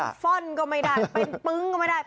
เป็นฟ่อนก็ไม่ได้เป็นปึ้งก็ไม่ได้